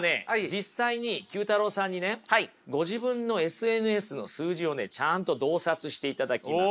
実際に９太郎さんにねご自分のＳＮＳの数字をちゃんと洞察していただきます。